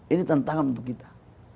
ini tantangan untuk kita